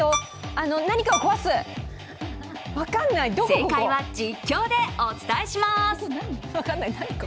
正解は実況でお伝えします。